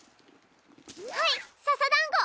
はいささだんご。